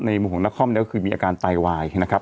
ในมุมของนักคล่อมเนี่ยก็คือมีอาการไตวายนะครับ